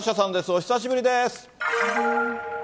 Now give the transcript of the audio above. お久しぶりです。